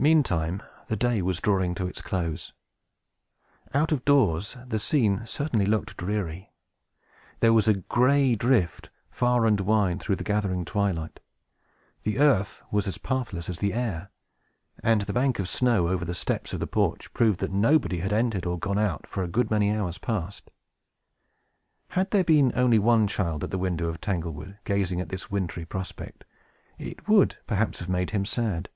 Meantime, the day was drawing towards its close. Out of doors the scene certainly looked dreary. There was a gray drift, far and wide, through the gathering twilight; the earth was as pathless as the air; and the bank of snow over the steps of the porch proved that nobody had entered or gone out for a good many hours past. Had there been only one child at the window of Tanglewood, gazing at this wintry prospect, it would perhaps have made him sad.